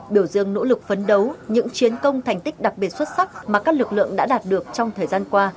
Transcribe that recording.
biểu dương nỗ lực phấn đấu những chiến công thành tích đặc biệt xuất sắc mà các lực lượng đã đạt được trong thời gian qua